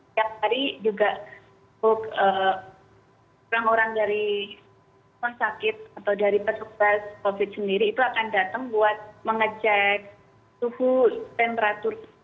setiap hari juga orang orang dari rumah sakit atau dari petugas covid sendiri itu akan datang buat mengecek suhu temperatur